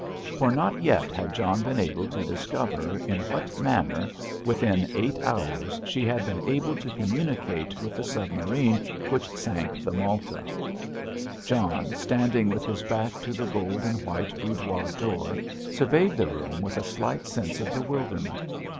For not yet had John been able to discover in what manner, within eight hours, she had been able to communicate with the submarine which sank the Malta. John, standing with his back to the gold and white boudoir door, surveyed the room with a slight sense of bewilderment.